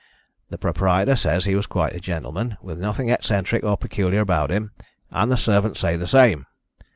The proprietor says he was quite a gentleman, with nothing eccentric or peculiar about him, and the servants say the same.